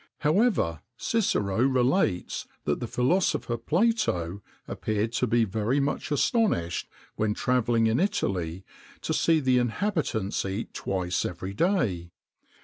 However, Cicero relates that the philosopher Plato appeared to be very much astonished, when travelling in Italy, to see the inhabitants eat twice every day.